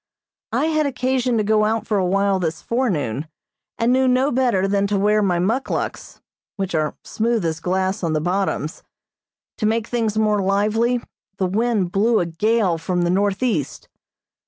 I had occasion to go out for a while this forenoon, and knew no better than to wear my muckluks, which are smooth as glass on the bottoms. To make things more lively, the wind blew a gale from the northeast.